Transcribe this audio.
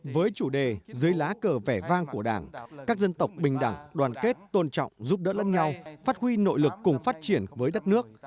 với chủ đề dưới lá cờ vẻ vang của đảng các dân tộc bình đẳng đoàn kết tôn trọng giúp đỡ lẫn nhau phát huy nội lực cùng phát triển với đất nước